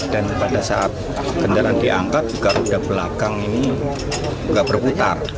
dan pada saat kendaraan diangkat juga roda belakang ini berputar